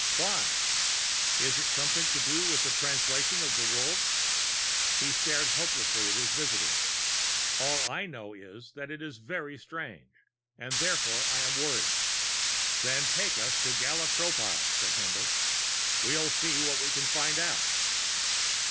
Why? Is it something to do with the Translation of Wolves?" He stared hopelessly at his visitors. "All I know is that it is very strange and therefore I am worried." "Then take us to Gala Tropile," said Haendl. "Let's see what we can find out!"